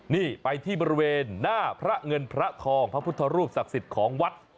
นี่ไปที่บริเวณหน้าพระเงินพระทองพระพุทธรูปศักดิ์สิทธิ์ของวัด